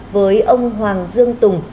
với ông hoàng dương tùng